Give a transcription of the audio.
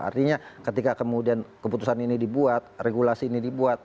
artinya ketika kemudian keputusan ini dibuat regulasi ini dibuat